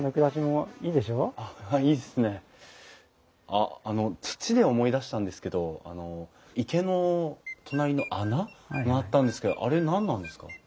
あっあの土で思い出したんですけどあの池の隣の穴があったんですけどあれ何なんですか？